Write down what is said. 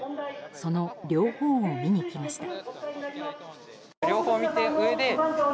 その両方を見に来ました。